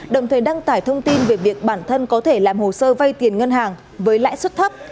đồng thời đăng tải thông tin về việc bản thân có thể làm hồ sơ vay tiền ngân hàng với lãi suất thấp